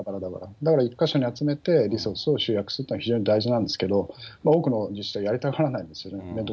だから１か所に集めて、リソースを集約するというのは、非常に大事なんですけれども、多くの自治体はやりたがらないんですよね、